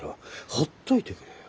ほっといてくれよ。